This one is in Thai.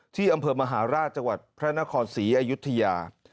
ที่อำเภอมหาราชจังหวัดพระนครศรีอยุธยา